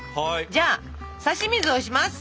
じゃあさし水をします！